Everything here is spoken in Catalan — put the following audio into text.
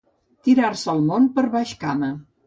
Tirar-se el món per baix cama.